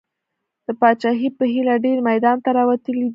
د پاچاهۍ په هیله ډېر میدان ته راوتلي دي.